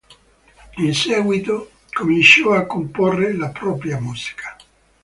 In seguito cominciò a comporre la propria musica.